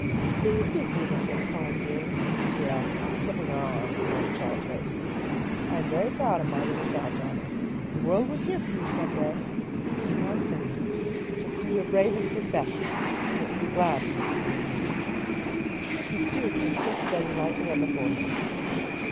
"Will you give me this little poem, dear?" she asked, slipping an arm around the child's waist. "I am very proud of my little god daughter. The world will hear from you some day, if you keep on singing. Just do your bravest and best, and it will be glad to listen to your music." She stooped and kissed Betty lightly on the forehead.